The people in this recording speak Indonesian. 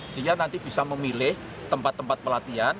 sehingga nanti bisa memilih tempat tempat pelatihan